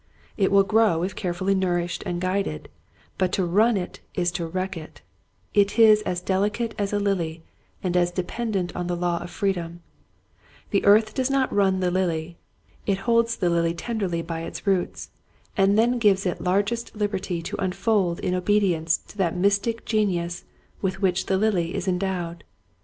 It will grow if carefully nourished and guided, but to run it is to wreck it. It is as delicate as a lily and as dependent on the law of free dom. The earth does not run the lily. It holds the lily tenderly by its roots and then gives it largest liberty to unfold in obedience to that mystic genius with which the lily is endowed.